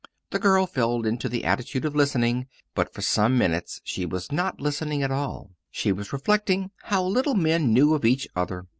The girl fell into the attitude of listening; but for some minutes she was not listening at all. She was reflecting how little men knew of each other!